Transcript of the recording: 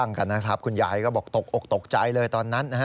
แล้วก็ลุกลามไปยังตัวผู้ตายจนถูกไฟคลอกนะครับ